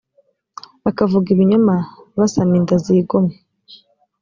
bakavuga ibinyoma basama inda z igomwa